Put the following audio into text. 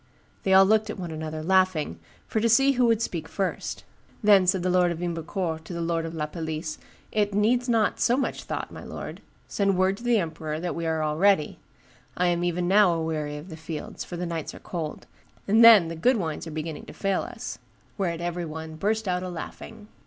They all looked at one another, laughing, for to see who would speak first. Then said the lord of Ymbercourt to the lord of La Palisse, 'It needs not so much thought, my lord; send word to the emperor that we are all ready; I am even now a weary of the fields, for the nights are cold; and then the good wines are beginning to fail us;' whereat every one burst out a laughing.